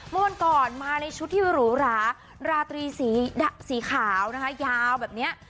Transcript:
เมื่อวันก่อนมาในชุดที่หรูหราราตรีสีขาวนะคะยาวแบบนี้